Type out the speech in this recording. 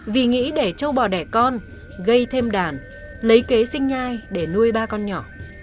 vì nghĩ để châu bò đẻ con gây thêm đàn lấy kế sinh nhai để nuôi ba con nhỏ